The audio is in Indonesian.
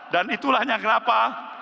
dan itulah yang kenapa